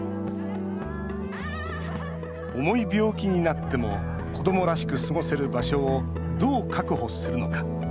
重い病気になっても子どもらしく過ごせる場所をどう確保するのか。